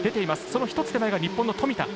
その１つ手前が日本の富田。